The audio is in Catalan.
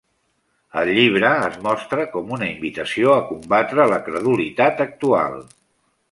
El llibre es mostra com una invitació a combatre la credulitat actual.